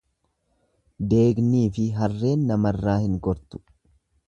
Deegniifi harreen namarraa hin gortu.